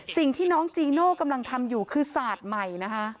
สิ่งที่น้องจีโน่กำลังทำอยู่คือศาสตร์ใหม่นะคะ